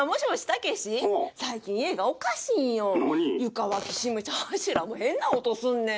床はきしむし柱も変な音すんねん。